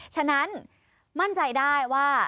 ฉะนั้นมั่นใจได้ว่า